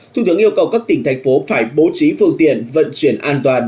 thủ tướng yêu cầu các tỉnh thành phố phải bố trí phương tiện vận chuyển an toàn